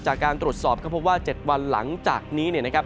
จากการตรวจสอบก็พบว่า๗วันหลังจากนี้เนี่ยนะครับ